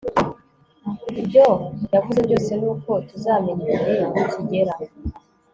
Ibyo yavuze byose ni uko tuzamenya igihe nikigera